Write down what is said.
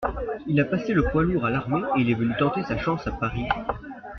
il a passé le poids lourds à l’armée et il est venu tenter sa chance à Paris.